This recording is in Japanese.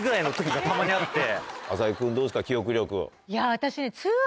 私ね。